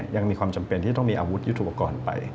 ยังมีความจำเป็นที่ต้องมีอาวุธยุทธุปกรณ์ไป